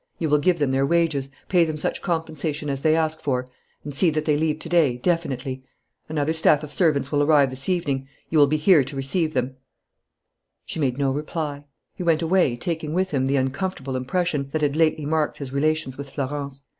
You will give them their wages, pay them such compensation as they ask for, and see that they leave to day, definitely. Another staff of servants will arrive this evening. You will be here to receive them." She made no reply. He went away, taking with him the uncomfortable impression that had lately marked his relations with Florence.